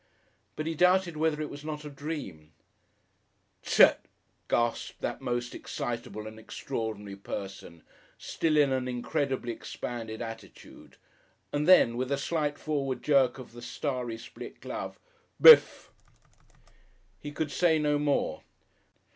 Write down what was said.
But he doubted whether it was not a dream. "Tzit!" gasped that most excitable and extraordinary person, still in an incredibly expanded attitude, and then with a slight forward jerk of the starry split glove, "Bif!" He could say no more.